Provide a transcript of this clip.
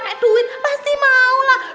dia mau pake duit pasti maulah